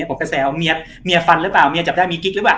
กระแสว่าเมียเมียฟันหรือเปล่าเมียจับได้มีกิ๊กหรือเปล่า